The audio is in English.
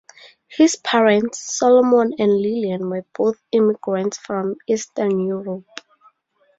His parents, Solomon and Lillian, were both immigrants from Eastern Europe.